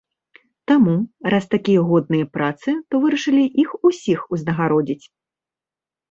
Таму, раз такія годныя працы, то вырашылі іх усіх узнагародзіць.